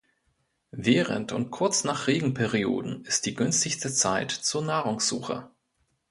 Während und kurz nach Regenperioden ist die günstigste Zeit zur Nahrungssuche.